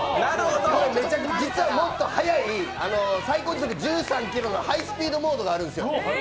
実はもっとはやい最高速１３キロのハイスピードモードがあるんですよ。